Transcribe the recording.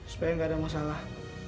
supaya gak ada masalah